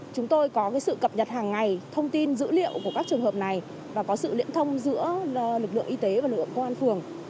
chúng tôi có sự cập nhật hàng ngày thông tin dữ liệu của các trường hợp này và có sự liên thông giữa lực lượng y tế và lực lượng công an phường